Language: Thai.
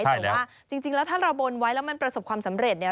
แต่ว่าจริงแล้วถ้าเราบนไว้แล้วมันประสบความสำเร็จเนี่ย